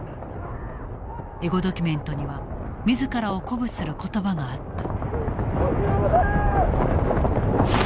エゴドキュメントには自らを鼓舞する言葉があった。